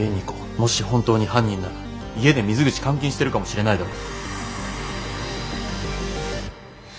もし本当に犯人なら家で水口監禁してるかもしれないだろ。